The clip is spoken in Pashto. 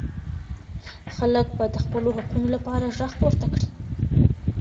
خلګ به د خپلو حقونو لپاره ږغ پورته کړي.